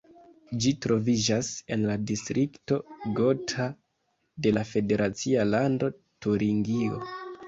Ĝi troviĝas en la distrikto Gotha de la federacia lando Turingio.